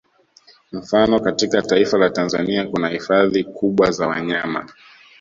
Mfano katika taifa la Tanzania kuna hifadhi kubwa za wanyama